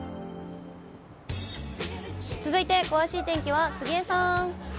続いて詳しい天気は杉江さん。